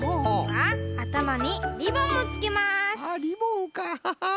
あっリボンか。